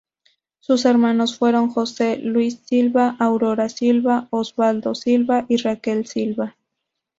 Sus hermanos fueron Jose Luis Silva, Aurora Silva, Osvaldo Silva y Raquel Silva.